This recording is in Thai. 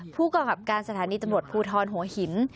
ผู้กำกับการสถานีตำรวจภูทรหัวหิน